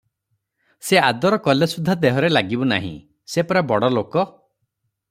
ସେ ଆଦର କଲେ ସୁଦ୍ଧା ଦେହରେ ଲାଗିବୁ ନାହି ସେ ପରା ବଡ଼ ଲୋକ ।